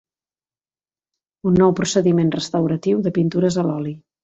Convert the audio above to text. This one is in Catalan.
Un nou procediment restauratiu de pintures a l'oli.